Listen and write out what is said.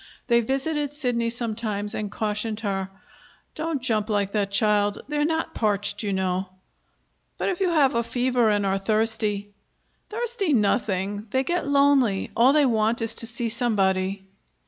They visited Sidney sometimes and cautioned her. "Don't jump like that, child; they're not parched, you know." "But if you have a fever and are thirsty " "Thirsty nothing! They get lonely. All they want is to see somebody."